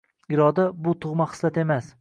Iroda – bu tug‘ma xislat emas.